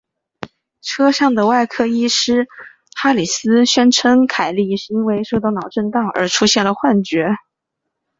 车上的外科医师哈里兹宣称凯莉是因为受到脑震荡而出现了幻觉。